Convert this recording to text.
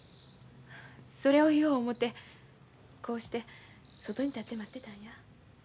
それを言おう思てこうして外に立って待ってたんや。